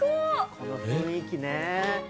この雰囲気ね。